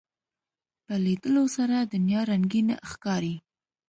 په لیدلو سره دنیا رنگینه ښکاري